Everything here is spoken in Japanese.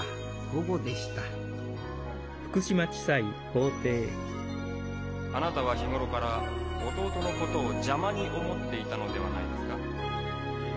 午後でしたあなたは日頃から弟のことを邪魔に思っていたのではないですか？